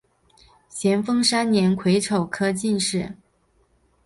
咸丰三年癸丑科进士。